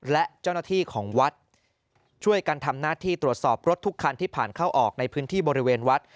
และเจ้าหน้าที่ของวัดช่วยกันทำหน้าที่ตรวจสอบรถทุกคันที่ผ่านเข้าออกในพื้นที่บริเวณวัด